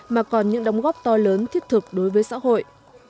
mà còn những đóng góp to lớn thiết thực đối với xã hội